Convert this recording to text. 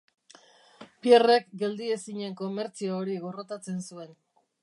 Pierrek geldiezinen komertzio hori gorrotatzen zuen.